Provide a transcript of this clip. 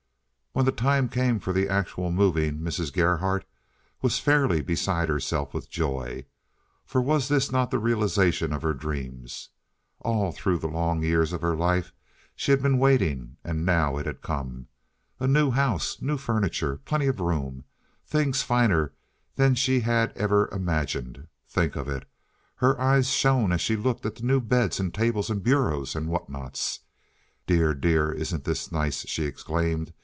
When the time came for the actual moving Mrs. Gerhardt was fairly beside herself with joy, for was not this the realization of her dreams? All through the long years of her life she had been waiting, and now it had come. A new house, new furniture, plenty of room—things finer than she had ever even imagined—think of it! Her eyes shone as she looked at the new beds and tables and bureaus and whatnots. "Dear, dear, isn't this nice!" she exclaimed.